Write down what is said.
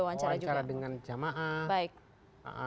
wawancara dengan jamaah